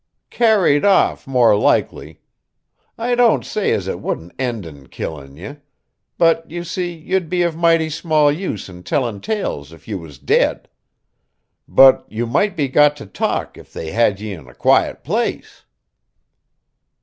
"Carried off, more likely. I don't say as it wouldn't end in killin' ye. But, you see, you'd be of mighty small use in tellin' tales if you was dead; but you might be got to talk if they had ye in a quiet place."